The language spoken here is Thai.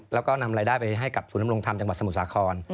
แล้วก็นำรายได้ไปให้กับศูนย์นำรงธรรมจังหวัดสมุทรสาคร